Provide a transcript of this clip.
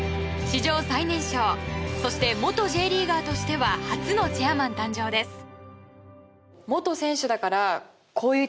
史上最年少そして、元Ｊリーガーとしては初のチェアマン誕生です。